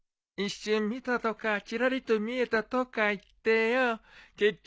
一瞬見たとかチラリと見えたとか言ってよ